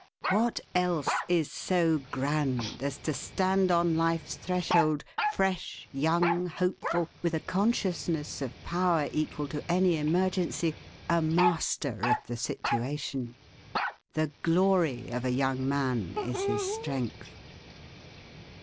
What else is so grand as to stand on life's threshold, fresh, young, hopeful, with a consciousness of power equal to any emergency, a master of the situation? The glory of a young man is his strength.